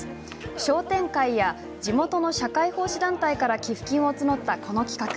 商店会や地元の社会奉仕団体から寄付金を募った、この企画。